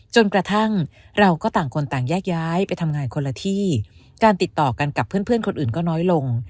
จนกระทั่งเราก็ต่างคนต่างแยกย้ายไปทำงานคนละที่การติดต่อกันกับเพื่อนคนอื่นก็น้อยลง